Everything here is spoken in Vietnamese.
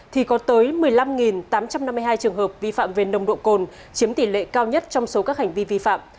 thì có tới một mươi năm tám trăm năm mươi hai trường hợp vi phạm về nồng độ cồn chiếm tỷ lệ cao nhất trong số các hành vi vi phạm